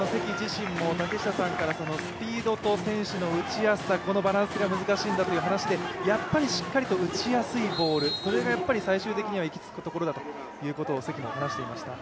身も、竹下さんから、選手の打ちやすさこのバランスが難しいというところでやっぱりしっかりと打ちやすいボール、それが最終的に行き着くところだと関も話していました。